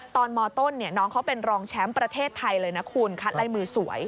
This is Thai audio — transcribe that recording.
มต้นน้องเขาเป็นรองแชมป์ประเทศไทยเลยนะคุณคัดลายมือสวย